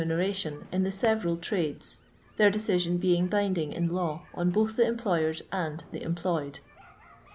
neratioii in the 'teveral trades, their deci sion beii^ binding in law on both the employers and the employed.